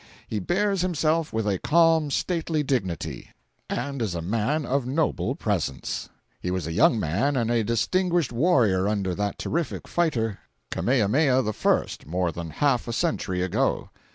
He bears himself with a calm, stately dignity, and is a man of noble presence. He was a young man and a distinguished warrior under that terrific fighter, Kamehameha I., more than half a century ago.